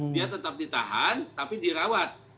dia tetap ditahan tapi dirawat